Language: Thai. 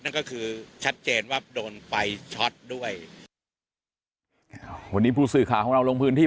นั่นก็คือชัดเจนว่าโดนไฟช็อตด้วยวันนี้ผู้สื่อข่าวของเราลงพื้นที่